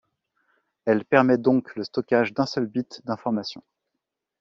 Elle permet donc le stockage d'un seul bit d'information.